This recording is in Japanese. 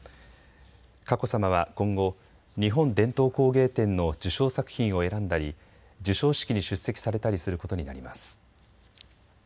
佳子さまは今後、日本伝統工芸展の受賞作品を選んだり授賞式に出席されたりすることになります。